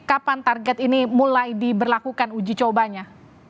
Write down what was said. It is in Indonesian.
kapan target ini mulai diberlakukan uji cobanya